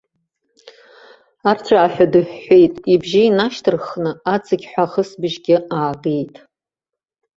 Арҵәааҳәа дыҳәҳәеит, ибжьы инашьҭарххны, аҵықь ҳәа ахысбжьгьы аагеит.